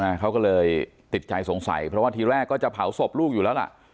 เขาก็เลยติดใจสงสัยเพราะว่าทีแรกก็จะเผาศพลูกอยู่แล้วล่ะ